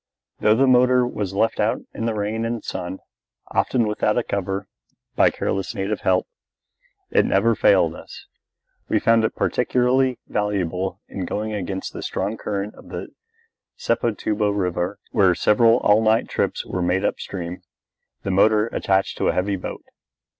Though the motor was left out in the rain and sun, often without a cover, by careless native help, it never failed us. We found it particularly valuable in going against the strong current of the Sepotuba River where several all night trips were made up stream, the motor attached to a heavy boat.